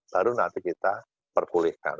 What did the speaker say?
baru nanti kita pergulihkan